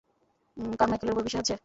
কারমাইকেলের উপর বিশ্বাস আছে?